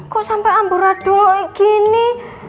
kok sampai amburat dulu kayak gini